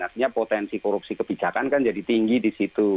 artinya potensi korupsi kebijakan kan jadi tinggi di situ